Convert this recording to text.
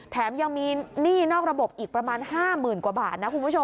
แถมยังมีหนี้นอกระบบอีกประมาณ๕หมื่นบาท